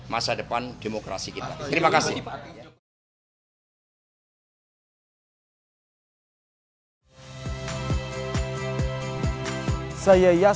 masa depan demokrasi kita